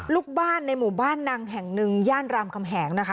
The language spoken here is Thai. ลูกบ้านในหมู่บ้านนังแห่งหนึ่งย่านรามคำแหงนะคะ